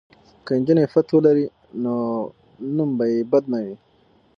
که نجونې عفت ولري نو نوم به یې بد نه وي.